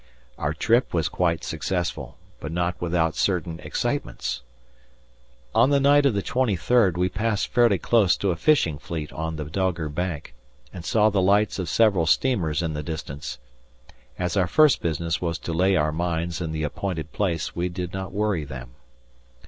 Our trip was quite successful, but not without certain excitements. On the night of the 23rd we passed fairly close to a fishing fleet on the Dogger Bank, and saw the lights of several steamers in the distance. As our first business was to lay our mines in the appointed place, we did not worry them.